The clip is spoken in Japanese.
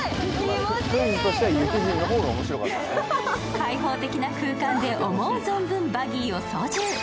開放的な空間で思う存分バギーを操縦。